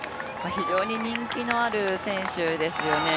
非常に人気のある選手ですよね。